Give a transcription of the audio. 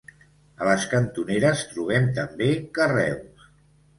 A les cantoneres trobem també carreus.